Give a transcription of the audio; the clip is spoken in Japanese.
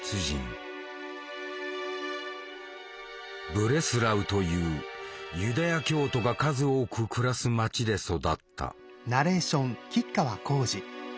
ブレスラウというユダヤ教徒が数多く暮らす町で育った。